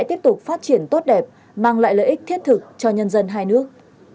tiếp tục phát triển tốt đẹp mang lại lợi ích thiết thực cho nhân dân hai nước